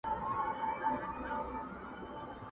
هر دلیل ته یې راوړله مثالونه٫